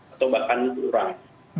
atau bahkan kurang